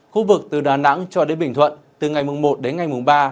khu vực từ đà nẵng cho đến bình thuận từ ngày mùng một đến ngày mùng ba